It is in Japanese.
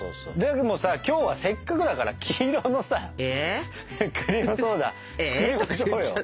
でもさ今日はせっかくだから黄色のさクリームソーダ作りましょうよ！